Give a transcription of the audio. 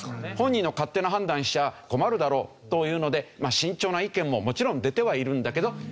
本人が勝手な判断しちゃ困るだろというので慎重な意見ももちろん出てはいるんだけど。